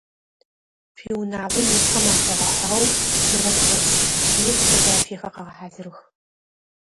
Шъуиунагъо исхэм афэгъэхьыгъэу сурэт къэшӏ, е фотографиехэр къэгъэхьазырых.